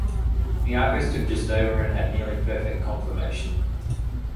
Nearco stood just over and had nearly perfect conformation.